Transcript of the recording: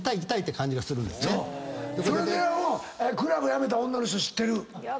それでクラブ辞めた女の人知ってる。